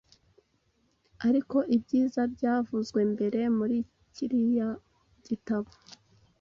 Ariko Ibyiza byavuzwe mbere muri kiriyagitabo